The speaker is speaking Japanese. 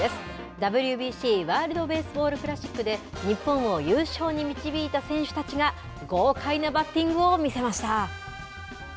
ＷＢＣ・ワールドベースボールクラシックで日本を優勝に導いた選手たちが、豪快なバッティングを見せました。